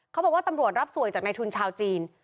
เขาบอกว่าตำรวจรับสวยจากในทุนชาวจีน